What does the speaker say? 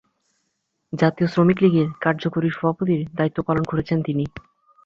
জাতীয় শ্রমিক লীগের কার্যকরী সভাপতির দায়িত্ব পালন করেছেন তিনি।